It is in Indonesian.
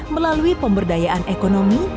melalui pemberdayaan ekonomi